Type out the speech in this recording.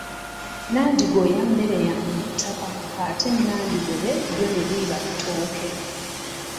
Nandigoya mmere ya mu ttaka ate nandigobe lyo ne liba ttooke.